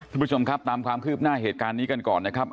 คุณผู้ชมครับตามความคืบหน้าเหตุการณ์นี้กันก่อนนะครับ